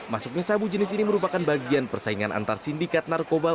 masuknya sabu jenis ini merupakan bagian persaingan antar sindikat narkoba